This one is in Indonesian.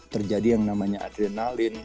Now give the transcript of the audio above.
terjadi yang namanya adrenalin